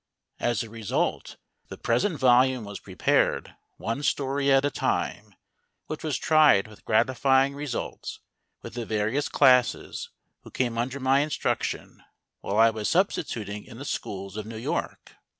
As a result, the present volume was prepared, one story at a time, which was tried with gratifying results with the various classes, who came under my instruction while I was substituting in the schools of New York.